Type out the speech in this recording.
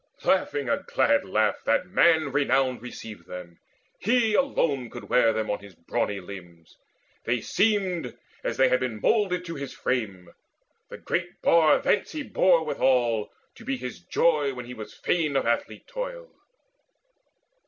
Laughing a glad laugh That man renowned received them: he alone Could wear them on his brawny limbs; they seemed As they had even been moulded to his frame. The great bar thence he bore withal, to be His joy when he was fain of athlete toil.